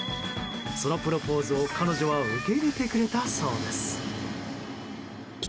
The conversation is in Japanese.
そのプロポーズを、彼女は受け入れてくれたそうです。